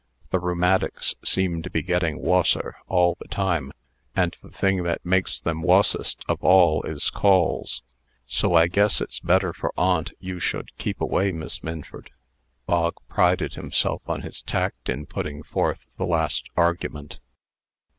The rheumatics seem to be getting wusser all the time; and the thing that makes them wussest of all is calls. So I guess it's better for aunt you should keep away, Miss Minford." Bog prided himself on his tact in putting forth the last argument.